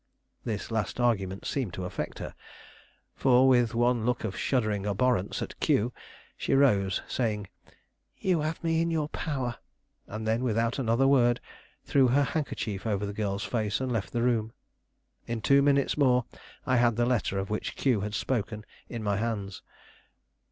This last argument seemed to affect her, for with one look of shuddering abhorrence at Q she rose, saying, "You have me in your power," and then, without another word, threw her handkerchief over the girl's face and left the room. In two minutes more I had the letter of which Q had spoken in my hands.